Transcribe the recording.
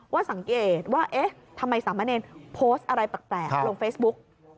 ว่าสังเกตว่าทำไมสามเมอเดนโพสต์อะไรต่างลงเฟซบุ๊ก